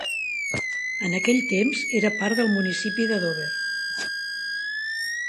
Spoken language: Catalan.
En aquell temps, era part del municipi de Dover.